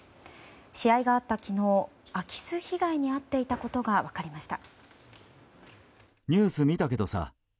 試合があった昨日、空き巣被害に遭っていたことが分かりました。